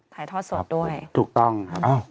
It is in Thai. ถ่ายทอดสดด้วยถูกต้องครับ